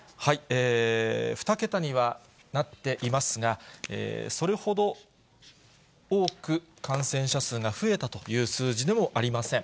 ２桁にはなっていますが、それほど多く感染者数が増えたという数字でもありません。